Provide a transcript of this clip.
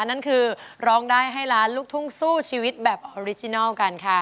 นั่นคือร้องได้ให้ล้านลูกทุ่งสู้ชีวิตแบบออริจินัลกันค่ะ